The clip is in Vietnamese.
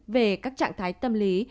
về các trạng thái tâm lý